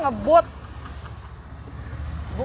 nggak ada apa apa lo ngebut